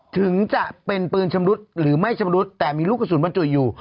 ถึงจะเป็นปืนชำรุดหรือไม่ชำรุดแต่มีลูกกระสุนบรรจุอยู่